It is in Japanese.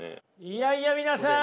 いやいや皆さん